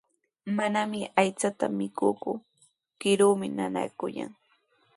Manami aychata mikuuku, kiruumi nanaakullan.